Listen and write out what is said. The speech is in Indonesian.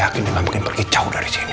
gue yakin dia gak mungkin pergi jauh dari sini